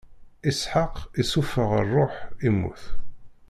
Isḥaq issufeɣ ṛṛuḥ, immut.